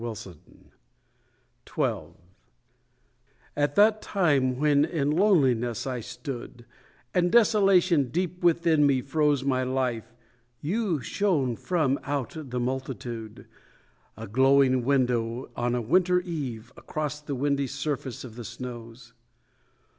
XII At that time when in loneliness I stood, And desolation deep within me froze My life, you shone from out the multitude A glowing window on a winter eve Across the windy surface of the snows.